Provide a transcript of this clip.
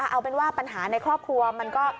เอาเป็นว่าปัญหาในครอบครัวมันก็